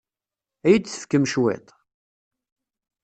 Ad iyi-d-tefkem cwiṭ?